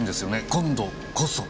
「今度こそ」。